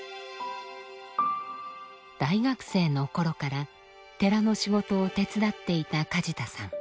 大学生の頃から寺の仕事を手伝っていた梶田さん。